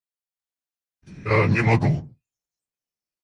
Я не могу.